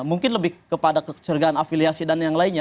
mungkin lebih kepada kecurigaan afiliasi dan yang lainnya